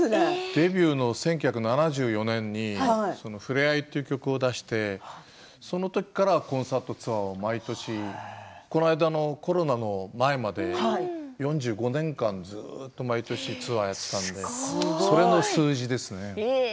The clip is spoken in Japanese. デビューの１９７４年に「ふれあい」という曲を出してその時からコンサートツアーを毎年この間のコロナの前まで４５年間、ずっと毎年ツアーをやっていたのでそれの数字ですね。